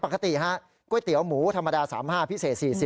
ปกติฮะก๋วยเตี๋ยวหมูธรรมดา๓๕พิเศษ๔๐